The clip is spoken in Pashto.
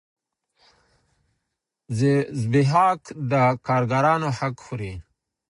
زبېښاک د کارګرانو حق خوري.